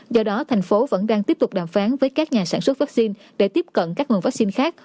do đó thành phố vẫn đang tiếp tục đàm phán với các nhà sản xuất vaccine để tiếp cận các nguồn vaccine khác